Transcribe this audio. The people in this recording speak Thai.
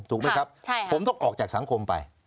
ถูกไหมครับผมต้องออกจากสังคมไป